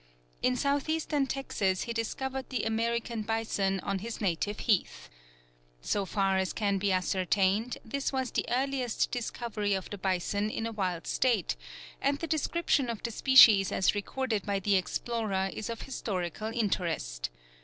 In southeastern Texas he discovered the American bison on his native heath. So far as can be ascertained, this was the earliest discovery of the bison in a wild state, and the description of the species as recorded by the explorer is of historical interest.